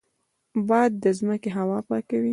باد د ځمکې هوا پاکوي